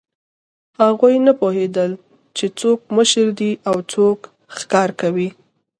هغوی نه پوهېدل، چې څوک مشر دی او څوک ښکار کوي.